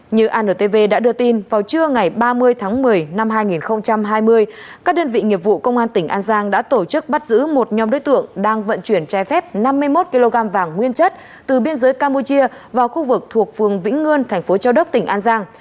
như antv đã đưa tin vào trưa ngày ba mươi tháng một mươi năm hai nghìn hai mươi các đơn vị nghiệp vụ công an tỉnh an giang đã tổ chức bắt giữ một nhóm đối tượng đang vận chuyển trái phép năm mươi một kg vàng nguyên chất từ biên giới campuchia vào khu vực thuộc phường vĩnh ngươn thành phố châu đốc tỉnh an giang